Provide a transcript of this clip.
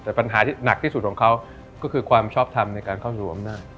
แต่ปัญหาที่หนักที่สุดของเขาก็คือความชอบทำในการเข้าสู่อำนาจ